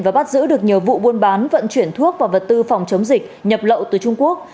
và bắt giữ được nhiều vụ buôn bán vận chuyển thuốc và vật tư phòng chống dịch nhập lậu từ trung quốc